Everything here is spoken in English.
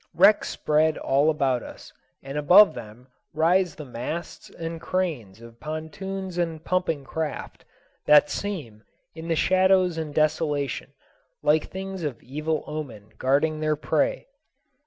Wrecks spread all about us, and above them rise the masts and cranes of pontoons and pumping craft, that seem, in the shadows and desolation, like things of evil omen guarding their prey.